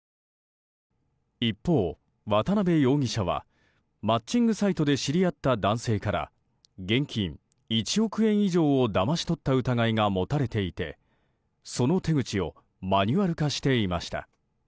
一方、渡邊容疑者はマッチングサイトで知り合った男性から、現金１億円以上をだまし取った疑いが持たれていてその手口をマニュアル化していました。